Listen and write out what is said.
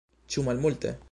Ĉu malmulte?